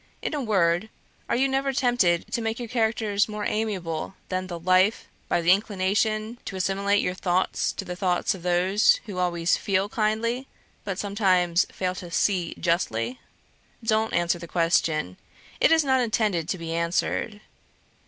In a word, are you never tempted to make your characters more amiable than the Life, by the inclination to assimilate your thoughts to the thoughts of those who always FEEL kindly, but sometimes fail to SEE justly? Don't answer the question; it is not intended to be answered.